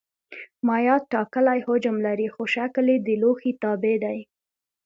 مایعات ټاکلی حجم لري خو شکل یې د لوښي تابع دی.